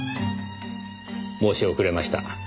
申し遅れました。